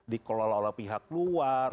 dikelola oleh pihak luar